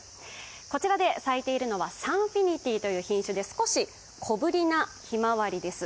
こちらで咲いているのはサンフィニティという品種で少し小ぶりなひまわりです。